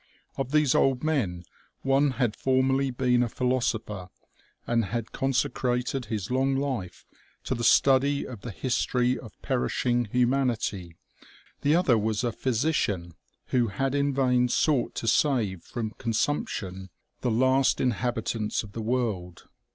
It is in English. Of these old men, one had formerly been a philosopher and had consecrated his long life to the study of the his tory of perishing humanity ; the other was a physician who had in vain sought to save from consumption the OMEGA. 243 last inhabitants of the world.